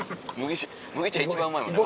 麦茶一番うまいもんな。